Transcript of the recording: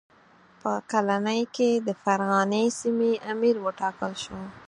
په کلنۍ کې د فرغانې سیمې امیر وټاکل شو.